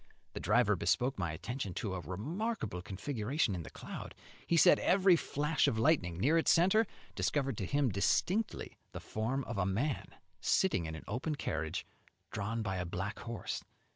The driver bespoke my attention to a remarkable configuration in the cloud; he said every flash of lightning near its centre discovered to him distinctly the form of a man sitting in an open carriage drawn by a black horse.